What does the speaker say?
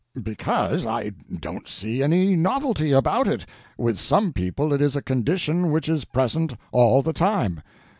"Because I don't see any novelty about it. With some people it is a condition which is present all the time.